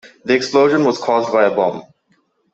The explosion was caused by a bomb.